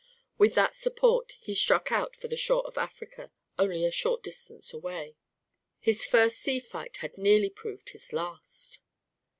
With that support he struck out for the shore of Africa, only a short distance away. His first sea fight had nearly proved his last.